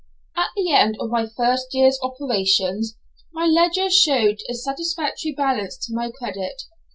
At the end of my first year's operations my ledger showed a satisfactory balance to my credit.